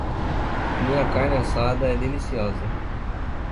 Minha carne assada é deliciosa.